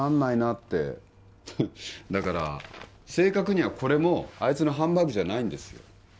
ってだから正確にはこれもあいつのハンバーグじゃないんですよ